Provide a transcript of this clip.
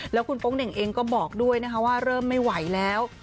แล้วคุณโป๊งเหน่งเองก็บอกด้วยนะคะว่าเริ่มไม่ไหวแล้ว